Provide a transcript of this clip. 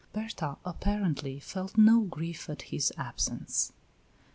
Berta apparently felt no grief at his absence.